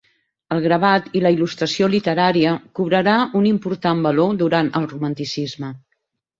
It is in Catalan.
El gravat i la il·lustració literària cobrarà un important valor durant el romanticisme.